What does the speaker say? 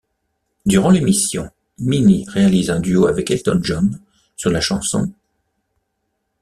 Durant l'émission Minnie réalise un duo avec Elton John sur la chanson '.